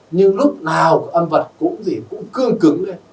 nhưng lúc nào âm vật cũng gì cũng cương cứng lên